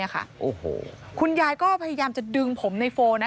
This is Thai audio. คุณยายก็พยายามจะดึงผมในโฟน